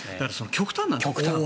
極端なんですよ